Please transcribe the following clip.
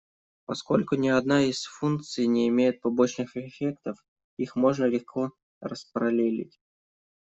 Поскольку ни одна из функций не имеет побочных эффектов, их можно легко распараллелить.